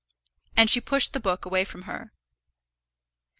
And she pushed the book away from her.